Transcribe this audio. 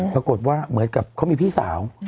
ปรากฏว่าเหมือนเขามีพี่สาว